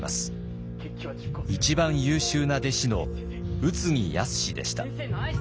一番優秀な弟子の宇津木靖でした。